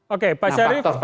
oke pak syarif